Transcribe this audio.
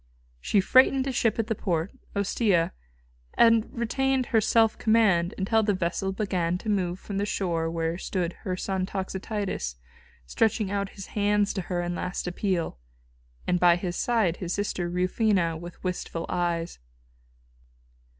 She freighted a ship at the port, Ostia, and retained her self command until the vessel began to move from the shore where stood her son Toxotius stretching out his hands to her in last appeal, and by his side his sister Rufina, with wistful eyes.